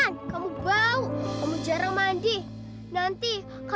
nah pakai bola kau saja